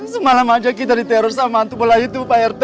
semalam aja kita diteror sama hantu bola itu pak rt